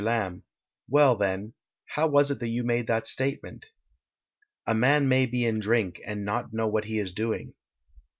Lamb: Well, then, how was it that you made that statement? A man may be in drink and not know what he is doing. Mr.